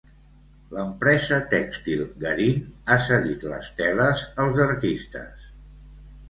L'empresa tèxtil Garín ha cedit les teles als artistes.